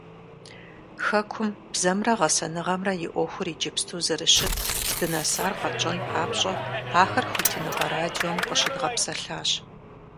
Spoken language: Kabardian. Хэкум бзэмрэ гъэсэныгъэмрэ и Ӏуэхур иджыпсту зэрыщыт, здынэсар къэтщӀэн папщӏэ ахэр Хуитыныгъэ радиом къыщыдгъэпсэлъащ.